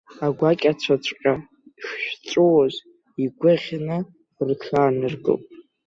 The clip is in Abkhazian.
Агәакьацәаҵәҟьа шҵәуаз игәыӷьны рҽааныркылт.